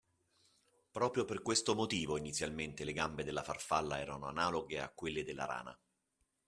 Proprio per questo motivom inizialmente le gambe della farfalla erano analoghe a quelle della rana.